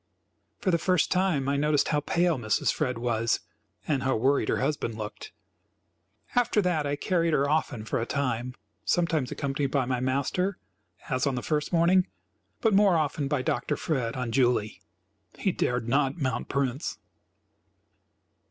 For the first time I noticed how pale Mrs. Fred was and how worried her husband looked. After that I carried her often for a time, sometimes accompanied by my master, as on the first morning, but more often by Dr. Fred on Julie. He dared not mount Prince.